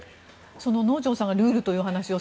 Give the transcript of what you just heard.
その能條さんがルールという話を。